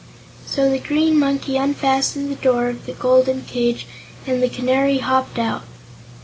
So the Green Monkey unfastened the door of the golden cage and the Canary hopped out.